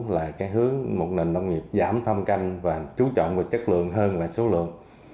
là cái hướng một nền nông nghiệp giảm thăm canh và trú trọng về chất lượng hơn là số lượng